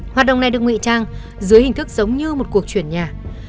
hoạt động này được nguy trang dưới hình thức giống như một cuộc chuyển nhà